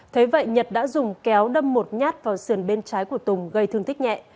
thế vậy nhật đã dùng kéo đâm một nhát vào sườn bên trái của tùng gây thương tích nhẹ